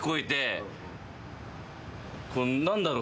何だろう？